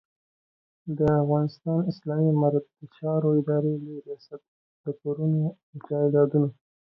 د افغانستان اسلامي امارت د چارو ادارې لوی رياست د کورونو او جایدادونو